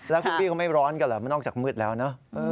แล้วคุณพี่เขาไม่ร้อนกันเหรอมันนอกจากมืดแล้วเนอะ